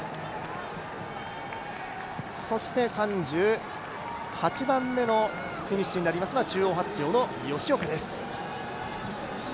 そして３８番目のフィニッシュになるのは中央発條の吉岡です。